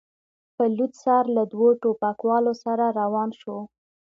په لوڅ سر له دوو ټوپکوالو سره روان شو.